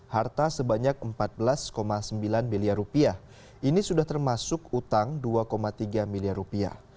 harta sebanyak empat belas sembilan miliar rupiah ini sudah termasuk utang dua tiga miliar rupiah